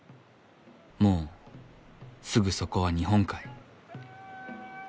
もうすぐそこは日本海。